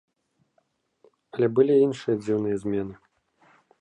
Але былі і іншыя дзіўныя змены.